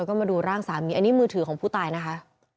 ก็มาดูร่างสามีอันนี้มือถือของผู้ตายนะคะ